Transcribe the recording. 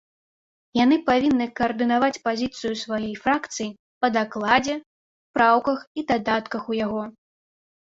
Яны павінны каардынаваць пазіцыю сваёй фракцыі па дакладзе, праўках і дадатках у яго.